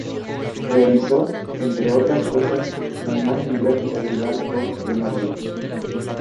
Realizó, entre otras, la imagen gráfica del Bar Cock de Madrid.